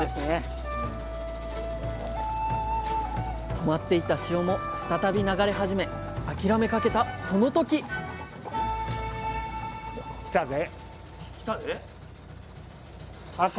止まっていた潮も再び流れ始め諦めかけたその時あ